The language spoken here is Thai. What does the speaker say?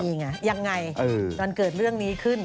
นี่ไงยังไงมันเกิดเรื่องนี้ขึ้น